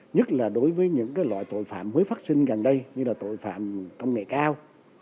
nhất là đối với những loại tội phạm mới phát sinh gần đây như là tội phạm công nghệ cao